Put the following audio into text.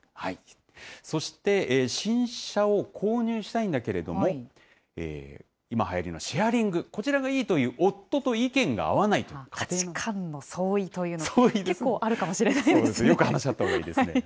そして新車を購入したいんだけれども、今はやりのシェアリング、こちらがいいという夫と意見価値観の相違というの、結構よく話し合ったほうがいいですね。